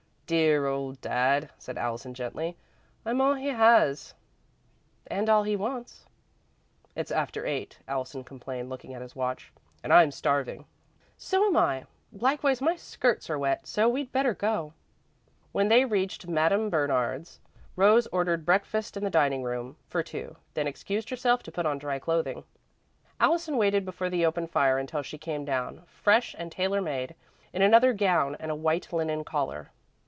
"Dear old Dad," said Allison, gently. "I'm all he has." "And all he wants." "It's after eight," Allison complained, looking at his watch, "and I'm starving." "So am I. Likewise my skirts are wet, so we'd better go." When they reached Madame Bernard's, Rose ordered breakfast in the dining room, for two, then excused herself to put on dry clothing. Allison waited before the open fire until she came down, fresh and tailor made, in another gown and a white linen collar.